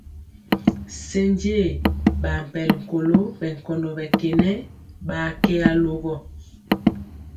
Senje ɓakpɛl kolo ɓɛ nkɔndɔ ɓɛ kenɛ ɓaa kɛ alogɔ.